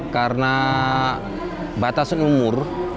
karena batasan umur